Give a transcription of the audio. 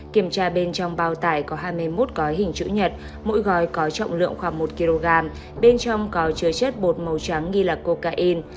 kiểm tra bên trong bao tải có hai mươi một gói hình chữ nhật mỗi gói có trọng lượng khoảng một kg bên trong có chứa chất bột màu trắng nghi là cocaine